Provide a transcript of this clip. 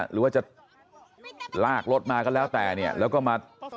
หรือว่าจะลากรถมาก็แล้วแต่เนี่ยแล้วก็มา